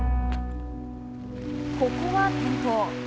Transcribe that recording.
ここは転倒。